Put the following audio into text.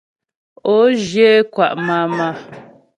Ǒ zhyə é kwà' màmà.